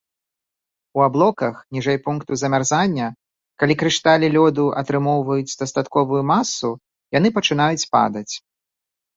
У аблоках ніжэй пункту замярзання, калі крышталі лёду атрымоўваюць дастатковую масу, яны пачынаюць падаць.